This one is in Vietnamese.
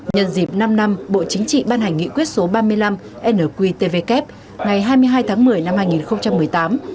nhân dịp năm năm bộ chính trị ban hành nghị quyết số ba mươi năm nqtvk ngày hai mươi hai tháng một mươi năm hai nghìn một mươi tám